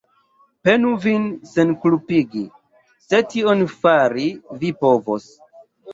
Penu vin senkulpigi, se tion fari vi povos.